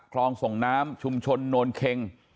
คลองส่งน้ำชุมชนโนนเค็ง